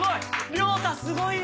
亮太すごいよ！